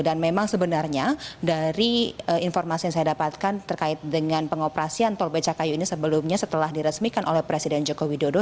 dan memang sebenarnya dari informasi yang saya dapatkan terkait dengan pengoperasian tol becakayu ini sebelumnya setelah diresmikan oleh presiden joko widodo